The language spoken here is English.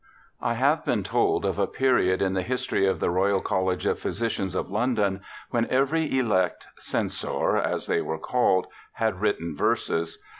I have been told of a period in the history of the Royal College of Physicians of London when every elect (censor), as they were called, had written verses.